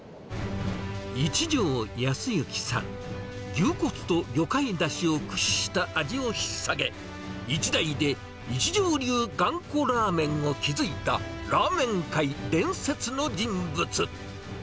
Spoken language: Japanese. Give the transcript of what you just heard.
一条安雪さん、牛骨と魚介だしを駆使した味をひっさげ、一代で一条流がんこラーメンを築いたラーメン界伝説の人物。